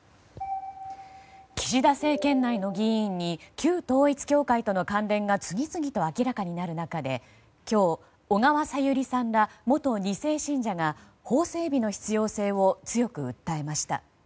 岸田政権内の議員に旧統一教会との関連が次々と明らかになる中で今日、小川さゆりさんら元２世信者が法整備の必要性を強く訴えました。